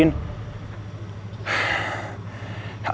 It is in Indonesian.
andi gak ada